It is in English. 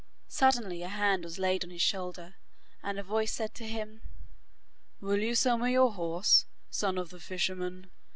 Suddenly a hand was laid on his shoulder, and a voice said to him: 'Will you sell me your horse, son of the fisherman?